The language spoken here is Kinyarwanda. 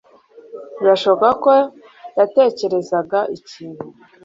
birashoboka ko yatekerezaga ikintu